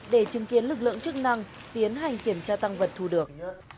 để chứng kiến lực lượng chức năng tiến hành kiểm tra tăng vật thu được